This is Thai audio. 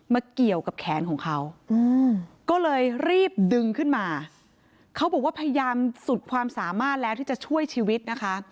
ไปรีบดึงขึ้นมาเขาบอกว่าพยายามสุดความสามารถแล้วที่จะช่วยชีวิตนะคะ